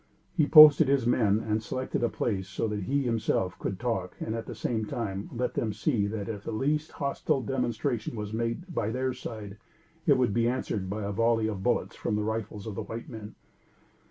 He posted his men and selected a place so that he himself could talk, and at the same time let them see that if the least hostile demonstration was made by their side, it would be answered by a volley of bullets from the rifles of the white men.